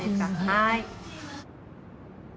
はい。